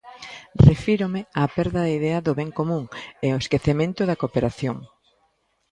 "Refírome á perda da idea do ben común e ao esquecemento da cooperación".